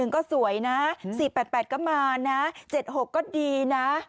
ก็สวยนะ๔๘๘ก็มานะ๗๖ก็ดีนะ